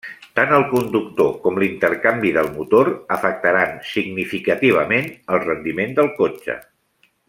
Tant el conductor com l’intercanvi del motor afectaran significativament el rendiment del cotxe.